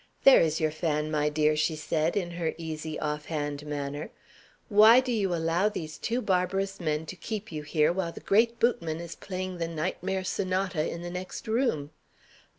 "There is your fan, my dear," she said, in her easy off hand manner. "Why do you allow these two barbarous men to keep you here while the great Bootmann is playing the Nightmare Sonata in the next room?